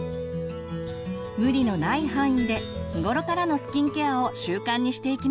無理のない範囲で日頃からのスキンケアを習慣にしていきましょう。